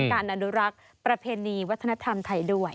ทานอุณหรักประเพณีวัฒนธรรมไทยด้วย